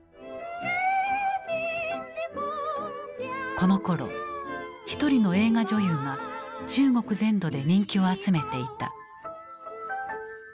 このころ一人の映画女優が中国全土で人気を集めていた。